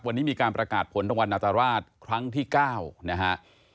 วันนี้มีการประกาศผลรางวัลนาตราชครั้งที่๙นะฮะ